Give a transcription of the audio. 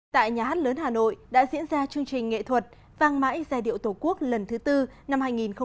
tại nhà hát lớn hà nội đã diễn ra chương trình nghệ thuật vang mãi giai điệu tổ quốc lần thứ tư năm hai nghìn một mươi chín